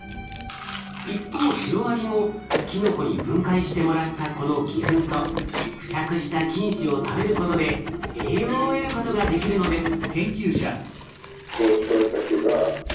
一方シロアリもキノコに分解してもらったこの偽ふんと付着した菌糸を食べることで栄養を得ることができるのです。